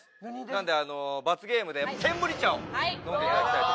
なので罰ゲームでセンブリ茶を飲んでいただきたいと思います。